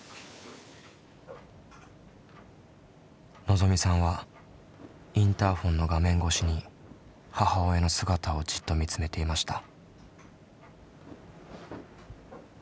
のぞみさんはインターホンの画面越しに母親の姿をじっと見つめていました。